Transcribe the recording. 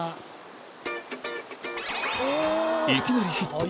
いきなりヒット！